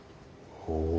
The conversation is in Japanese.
ほう。